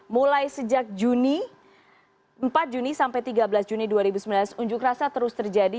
mulai sejak juni empat juni sampai tiga belas juni dua ribu sembilan belas unjuk rasa terus terjadi